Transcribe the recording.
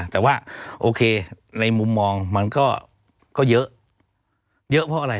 แต่ว่าโอเคในมุมมองมันก็เยอะเยอะเพราะอะไร